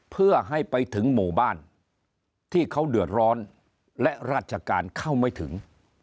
เพื่อให้ไปถึงหมู่บ้านที่เขาเดือดร้อนและราชการเข้าไม่ถึง